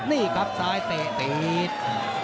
นี่ครับซ้ายเตะนิด